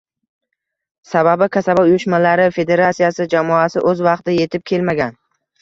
Sababi, Kasaba uyushmalari federatsiyasi jamoasi o'z vaqtida etib kelmagan